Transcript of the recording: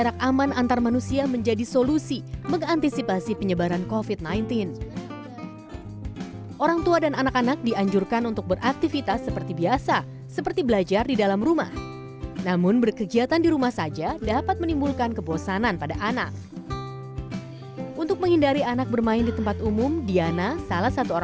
kreatif untuk buah hatinya kailas